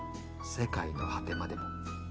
世界の果てまでも。